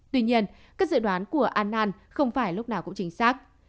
tuy nhiên các dự đoán của annan không phải lúc nào cũng chính xác